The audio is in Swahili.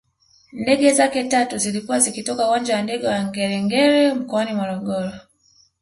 Ndege zake tatu zilikuwa zikitoka uwanja wa ndege wa Ngerengere mkoani Morogoro